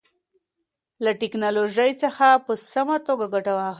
له ټیکنالوژۍ څخه په سمه توګه ګټه واخلئ.